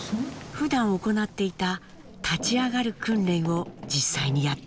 ふだん行っていた立ち上がる訓練を実際にやってみます。